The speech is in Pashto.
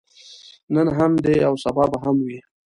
نن هم دی او سبا به هم وي.